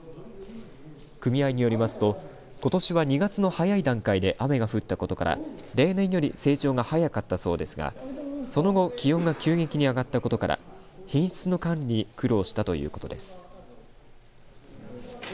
組合によりますと、ことしは２月の早い段階で雨が降ったことから例年より成長が早かったそうですがその後気温が急激に上がったことから品質の管理に苦労したということです。